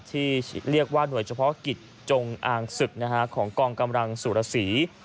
ที่เรียกว่าหน่วยเฉพาะกิจจงอางศึกของกองกำลังสุรสี